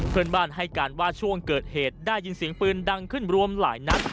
เพื่อนบ้านให้การว่าช่วงเกิดเหตุได้ยินเสียงปืนดังขึ้นรวมหลายนัด